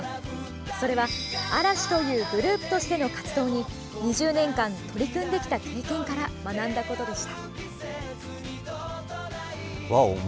それは嵐というグループとしての活動に２０年間、取り組んできた経験から学んだことでした。